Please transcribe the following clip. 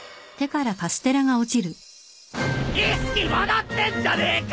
意識戻ってんじゃねえか！！